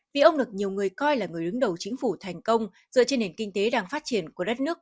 vì ông được nhiều người coi là người đứng đầu chính phủ thành công dựa trên nền kinh tế đang phát triển của đất nước